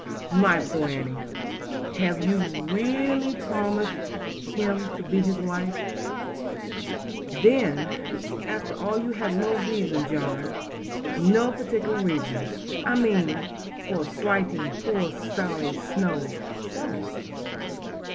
'My poor Annie, have you really promised him to be his wife?' 'Then after all you have no reason, John, no particular reason, I mean, for slighting poor Sally Snowe so?'